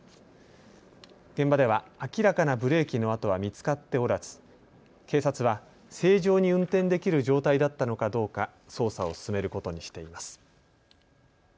現場では明らかなブレーキの跡は見つかっておらず警察は正常に運転できる状態だったのかどうか捜査を進めることにしています。